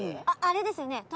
あっあれですよね。